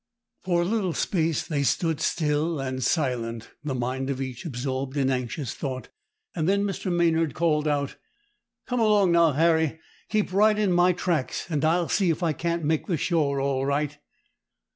For a little space they stood still and silent, the mind of each absorbed in anxious thought, and then Mr. Maynard called out,— "Come along now, Harry. Keep right in my tracks, and I'll see if I can't make the shore all right."